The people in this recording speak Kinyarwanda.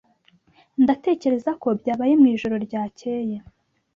Ndatekereza ko byabaye mwijoro ryakeye.